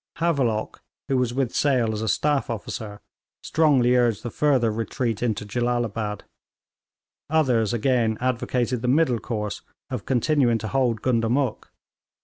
Havelock, who was with Sale as a staff officer, strongly urged the further retreat into Jellalabad. Others, again, advocated the middle course of continuing to hold Gundamuk.